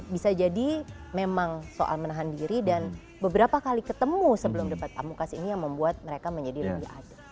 bisa jadi memang soal menahan diri dan beberapa kali ketemu sebelum debat pamukas ini yang membuat mereka menjadi lebih adil